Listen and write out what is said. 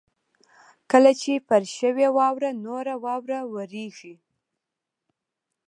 کله چې پر شوې واوره نوره واوره ورېږي